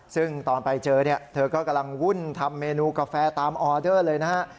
ซึ่งตอนไปเจอเนี่ยเธอก็กำลังวุ่นทำเมนูกาแฟตามออเดอร์เลยนะฮะ